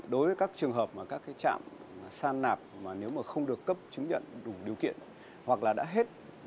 đối với các trường hợp mà các trạm san nạp mà nếu mà không được cấp chứng nhận đủ điều kiện hoặc là đã hết